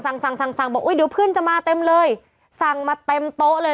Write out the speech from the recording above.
บอกว่าเดี๋ยวเพื่อนจะมาเต็มเลยสั่งมาเต็มโต๊ะเลย